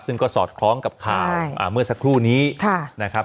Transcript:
ซึ่งก็สอดคล้องกับข่าวเมื่อสักครู่นี้นะครับ